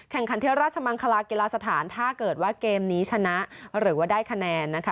แข่งขันเที่ยวราชมังคลากีฬาสถานถ้าเกิดว่าเกมนี้ชนะหรือว่าได้คะแนนนะคะ